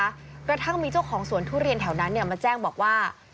กระทั่งมีเจ้าของสวนทุเรียนแถวนั้นเนี่ยมาแจ้งบอกว่า